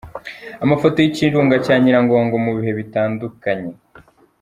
Amafoto y’ikirunga cya Nyiragongo mu bihe bitandukanye.